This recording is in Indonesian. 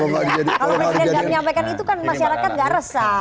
kalau presiden gak menyampaikan itu kan masyarakat gak resah